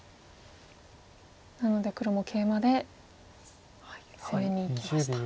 なので黒もケイマで攻めにいきました。